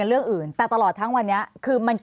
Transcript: ภารกิจสรรค์ภารกิจสรรค์